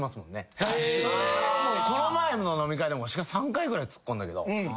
この前の飲み会でもわしが３回ぐらいツッコんだけど。